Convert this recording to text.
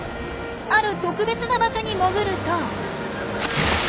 ある特別な場所に潜ると。